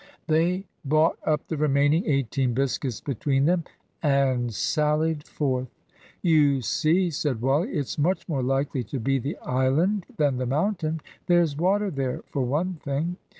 They bought up the remaining eighteen biscuits between them, and sallied forth. "You see," said Wally, "it's much more likely to be the island than the mountain. There's water there, for one thing."